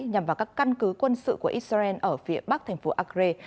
nhằm vào các căn cứ quân sự của israel ở phía bắc thành phố akre